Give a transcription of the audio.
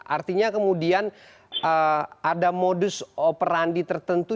artinya kemudian ada modus operandi tertentu